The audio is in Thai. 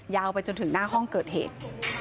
ไปจนถึงหน้าห้องเกิดเหตุ